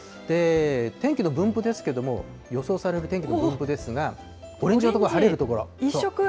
天気の分布ですけれども、予想される天気の分布ですが、オレンジ一色。